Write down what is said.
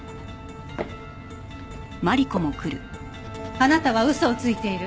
あなたは嘘をついている。